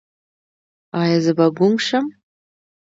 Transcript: ایا زه به ګونګ شم؟